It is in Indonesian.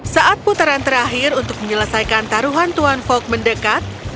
saat putaran terakhir untuk menyelesaikan taruhan tuan fog mendekat